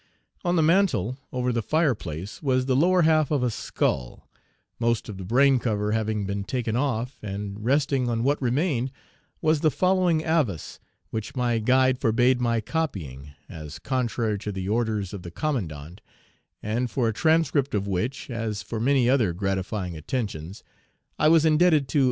On the mantel over the fireplace was the lower half of a skull, most of the brain cover having been taken off, and, resting on what remained, was the following avis, which my guide forbade my copying, as contrary to the orders of the commandant, and for a transcript of which, as for many other gratifying attentions, I was indebted to M.